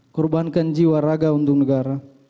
kurbankan jiwa raga untuk negara